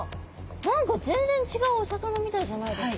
何か全然違うお魚みたいじゃないですか？